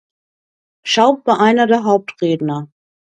Schaub war einer der Hauptredner.